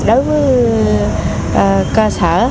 đối với ca sở